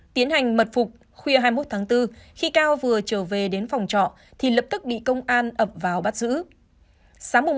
tiến hành mật phục khuya hai mươi một tháng bốn khi cao vừa trở về đến phòng trọ thì lập tức bị công an ập vào bắt giữ